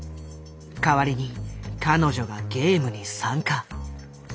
代わりに彼女がゲームに参加。